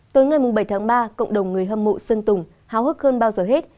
tối ngày bảy tháng ba cộng đồng người hâm mộ sơn tùng háo hức hơn bao giờ hết